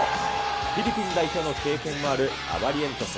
フィリピン代表の経験もあるアバリエントス。